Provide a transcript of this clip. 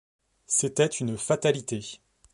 C’était une fatalité